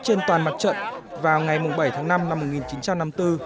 trên toàn mặt trận vào ngày bảy tháng năm năm một nghìn chín trăm năm mươi bốn